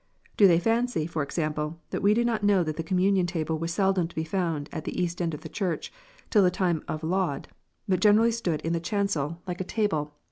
Do they fancy, for example, that we do not know that the Communion Table was seldom to b e found at the east end of the Church, till the time of Laud, but generally stood in the chancel, like a table, 184 KNOTS UNTIED.